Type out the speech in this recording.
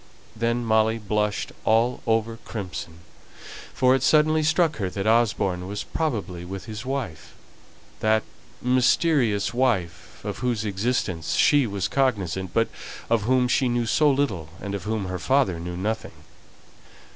Then Molly blushed all over crimson, for it suddenly struck her that Osborne was probably with his wife that mysterious wife, of whose existence she was cognizant, but of whom she knew so little, and of whom her father knew nothing.